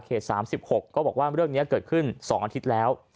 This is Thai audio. ๓๖ก็บอกว่าเรื่องนี้เกิดขึ้น๒อาทิตย์แล้ว